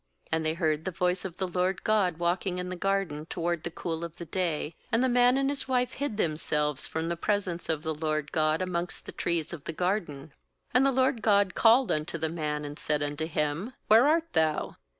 8And they heard the voice of the LORD God walking in the garden toward the cool of the day; and the man and his wife hid themselves from the presence of the LORD God amongst the trees of the garden. 9And the LORD God called unto the man, and said unto him: 'Where art thou?'